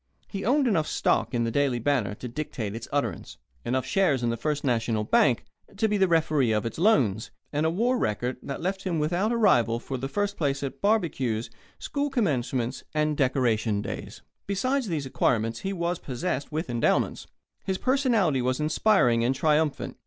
He owned enough stock in the Daily Banner to dictate its utterance, enough shares in the First National Bank to be the referee of its loans, and a war record that left him without a rival for first place at barbecues, school commencements, and Decoration Days. Besides these acquirements he was possessed with endowments. His personality was inspiring and triumphant.